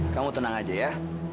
kamu tenang aja ya